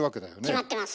決まってます。